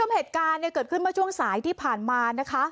เพศการณ์เนี่ยเกิดขึ้นมาช่วงสายที่ผ่านมานะคะ